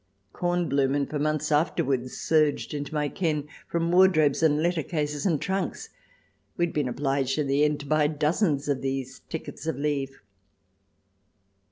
Kornblumen, for months afterwards, surged into my ken, from wardrobes and letter cases and trunks — we had been obliged in the end to buy dozens of these tickets of leave.